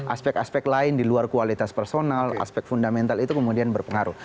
aspek aspek lain di luar kualitas personal aspek fundamental itu kemudian berpengaruh